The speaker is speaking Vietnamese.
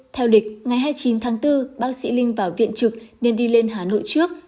theo lịch ngày hai mươi chín tháng bốn bác sĩ linh vào viện trực nên đi lên hà nội trước